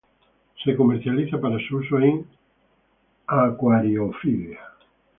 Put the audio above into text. Se comercializa para su uso en acuariofilia.